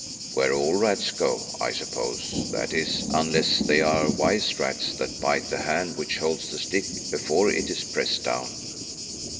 "Where all rats go, I suppose, that is, unless they are wise rats that bite the hand which holds the stick before it is pressed down."